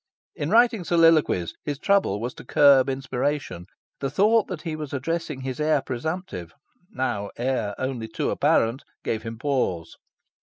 In writing soliloquies, his trouble was to curb inspiration. The thought that he was addressing his heir presumptive now heir only too apparent gave him pause.